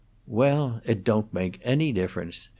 "Well, it don't make any difference.